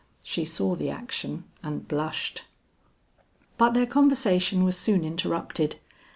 She saw the action and blushed. But their conversation was soon interrupted.